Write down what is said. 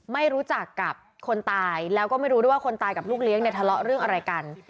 ไม่รู้จักกับคนตายแล้วก็ไม่รู้ด้วยว่าคนตายกับลูกเลี้ยงเนี่ยทะเลาะเรื่องอะไรกัน